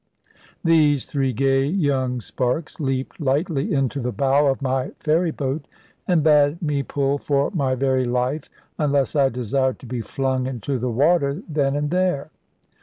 These three gay young sparks leaped lightly into the bow of my ferry boat, and bade me pull for my very life, unless I desired to be flung into the water then and there.